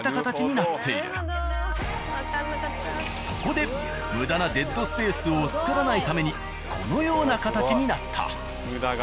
そこでムダなデッドスペースを作らないためにこのような形になった。